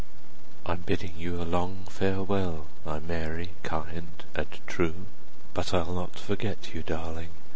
I'm biddin' you a long farewell, My Mary—kind and true! 50 But I'll not forget you, darling!